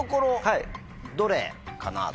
どれかなと。